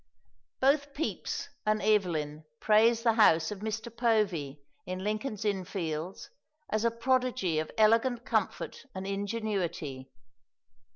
Both Pepys and Evelyn praise the house of Mr. Povey in Lincoln's Inn Fields as a prodigy of elegant comfort and ingenuity.